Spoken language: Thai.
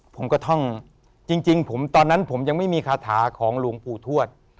ผมก็ท่องจริงตอนนั้นผมยังไม่มีคาถาของหลวงปู่ทวด